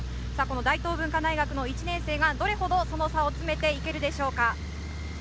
大東文化大の１年生がどれほどその差を詰めていけるでしょうか。